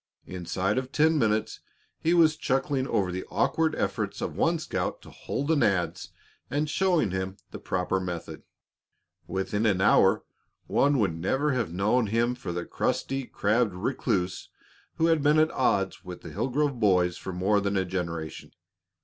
Inside of ten minutes he was chuckling over the awkward efforts of one scout to handle an adz and showing him the proper method. Within an hour, one would never have known him for the crusty, crabbed recluse who had been at odds with the Hillsgrove boys for more than a generation.